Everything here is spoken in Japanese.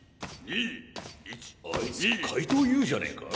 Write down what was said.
あいつかいとうＵじゃねえか？